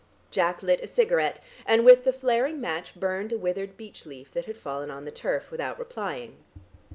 Jack lit a cigarette, and with the flaring match burned a withered beech leaf that had fallen on the turf without replying.